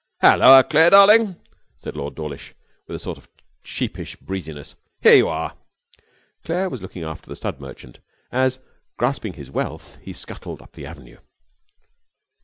'Halloa, Claire darling!' said Lord Dawlish, with a sort of sheepish breeziness. 'Here you are.' Claire was looking after the stud merchant, as, grasping his wealth, he scuttled up the avenue.